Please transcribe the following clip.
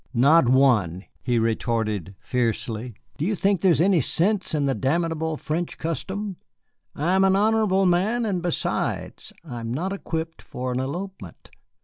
"Not one," he retorted fiercely; "do you think there is any sense in the damnable French custom? I am an honorable man, and, besides, I am not equipped for an elopement.